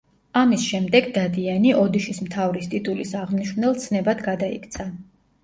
ამის შემდეგ „დადიანი“ ოდიშის მთავრის ტიტულის აღმნიშვნელ ცნებად გადაიქცა.